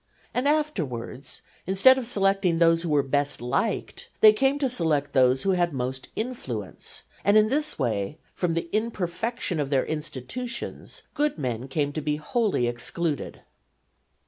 And afterwards, instead of selecting those who were best liked, they came to select those who had most influence; and in this way, from the imperfection of their institutions, good men came to be wholly excluded.